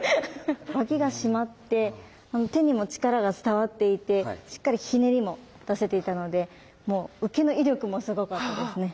脇が締まって手にも力が伝わっていてしっかりひねりも出せていたので受けの威力もすごかったですね。